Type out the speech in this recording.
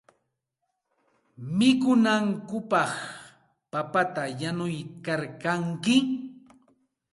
Mikunankupaq papata yanuykalkanki.